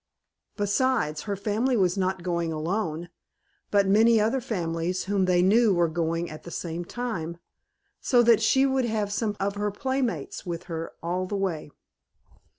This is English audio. Besides, her family was not going alone, but many other families whom they knew were going at the same time, so that she would have some of her playmates with her all the way.